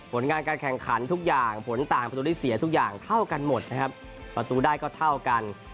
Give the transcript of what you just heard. ผลงานการแข่งขันทุกอย่างผลต่างประตูที่เสียทุกอย่างเท่ากันหมดนะครับประตูได้ก็เท่ากัน